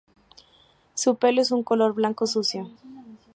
Su pelo es de un color blanco sucio.